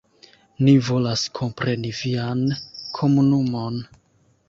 Ni volas kompreni vian komunumon.